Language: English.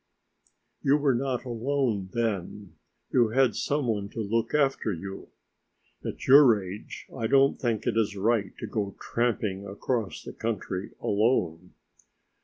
"You were not alone then; you had some one to look after you. At your age I don't think it is right to go tramping across the country alone."